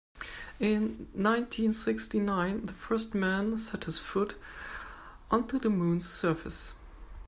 In nineteen-sixty-nine the first man set his foot onto the moon's surface.